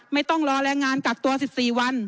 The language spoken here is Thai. ไม่ต้องรอแรงงานกักตัว๑๔วัน